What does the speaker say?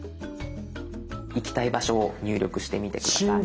行きたい場所を入力してみて下さい。